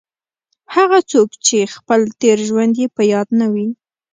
هغه څوک چې خپل تېر ژوند یې په یاد نه وي.